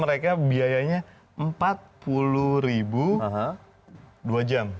karena biayanya rp empat puluh dua jam